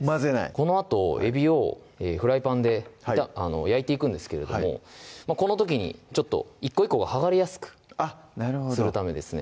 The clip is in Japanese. このあとえびをフライパンで焼いていくんですけれどもこの時にちょっと１個１個が剥がれやすくするためですね